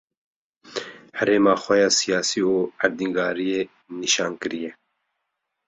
herêma xwe ya siyasî û erdnigariyê nişan kiriye.